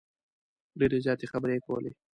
ډیرې زیاتې خبرې یې کولې.